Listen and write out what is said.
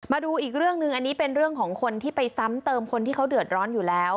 มาดูอีกเรื่องหนึ่งอันนี้เป็นเรื่องของคนที่ไปซ้ำเติมคนที่เขาเดือดร้อนอยู่แล้ว